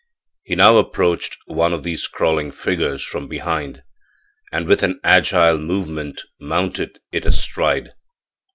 He now approached one of these crawling figures from behind and with an agile movement mounted it astride.